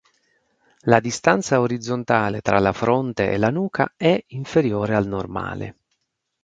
La distanza orizzontale tra la fronte e la nuca è inferiore al normale.